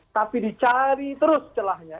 tapi dicari terus celahnya